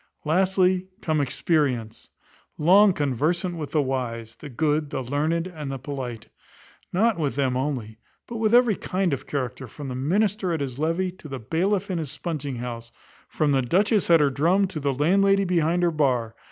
Lastly, come Experience, long conversant with the wise, the good, the learned, and the polite. Nor with them only, but with every kind of character, from the minister at his levee, to the bailiff in his spunging house; from the dutchess at her drum, to the landlady behind her bar.